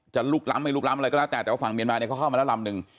ลุกล้ำไม่ลุกล้ำอะไรก็แล้วแต่แต่ว่าฝั่งเมียนมาเนี่ยเขาเข้ามาแล้วลำนึง